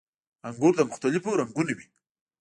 • انګور د مختلفو رنګونو وي.